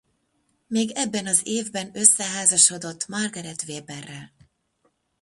Még ebben az évben összeházasodott Margarete Weberrel.